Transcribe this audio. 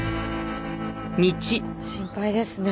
心配ですね。